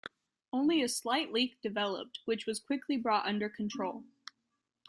Only a slight leak developed, which was quickly brought under control.